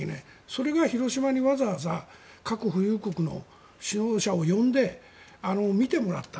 それが広島にわざわざ核保有国の首脳を呼んで見てもらった。